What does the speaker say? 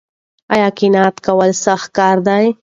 ایا قناعت کول سخت کار دی؟